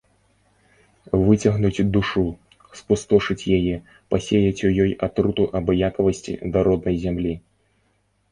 Выцягнуць душу, спустошыць яе, пасеяць у ёй атруту абыякавасці да роднай зямлі.